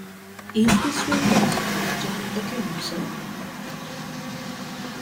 Is this will considered a genuine document, sir?